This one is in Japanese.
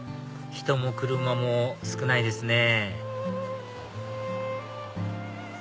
人も車も少ないですね